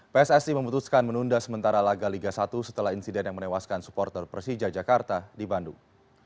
pssi memutuskan menunda sementara laga liga satu setelah insiden yang menewaskan supporter persija jakarta di bandung